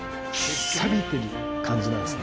サビてる感じなんです。